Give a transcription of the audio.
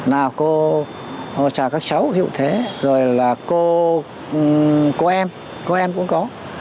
nào cô chào các cháu như thế rồi là cô em cô em cũng có